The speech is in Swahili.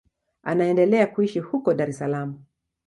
Anaendelea kuishi huko Dar es Salaam.